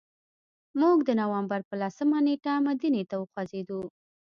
موږ د نوامبر په لسمه نېټه مدینې ته وخوځېدو.